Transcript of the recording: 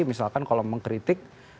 misalkan kalau mengkritik